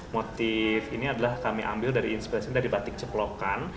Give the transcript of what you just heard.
motif ini adalah kami ambil dari inspirasi dari batik ceplokan